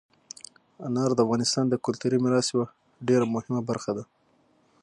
انار د افغانستان د کلتوري میراث یوه ډېره مهمه برخه ده.